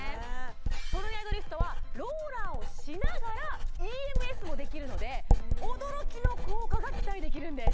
トルネードリフトはローラーをしながらＥＭＳもできるので驚きの効果が期待できるんです